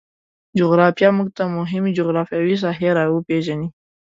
جغرافیه موږ ته مهمې جغرفیاوې ساحې روپیژني